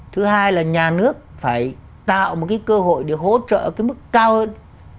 thứ hai là nhà nước phải tạo một cơ hội để hỗ trợ mức cao hơn